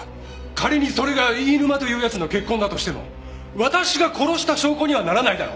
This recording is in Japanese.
仮にそれが飯沼という奴の血痕だとしても私が殺した証拠にはならないだろ？